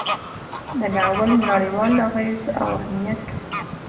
د ناول نړیوال اغیز او اهمیت: